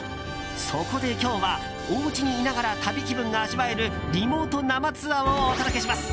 そこで今日はおうちにいながら旅気分が味わえるリモート生ツアーをお届けします。